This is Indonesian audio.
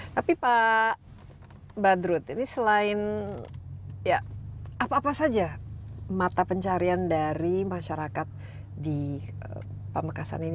tapi pak badrut ini selain ya apa apa saja mata pencarian dari masyarakat di pamekasan ini